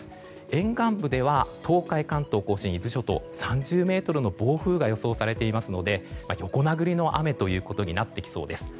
沿岸部では東海関東・甲信、伊豆諸島３０メートルの暴風が予想されていますので横殴りの雨ということになってきそうです。